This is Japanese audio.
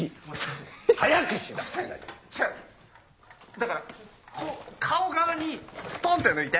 だからこう顔側にストンって抜いて。